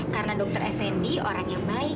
karena dokter effendi orang yang baik